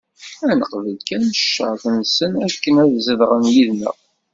Ad neqbel kan ccerṭ-nsen akken ad zedɣen yid-neɣ.